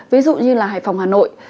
ví dụ như là hải phòng hà nội